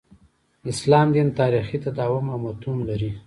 اسلام دین تاریخي تداوم او متون لري.